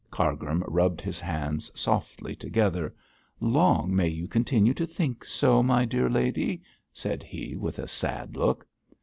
Cargrim rubbed his hands softly together. 'Long may you continue to think so, my dear lady,' said he, with a sad look.